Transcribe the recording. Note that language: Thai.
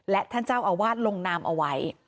และท่านเจ้าอาวาสลงนามเอาไว้